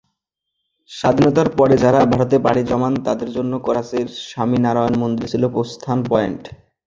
স্বাধীনতার পরে যারা ভারতে পাড়ি জমান তাদের জন্য করাচির স্বামীনারায়ণ মন্দির ছিল প্রস্থান পয়েন্ট।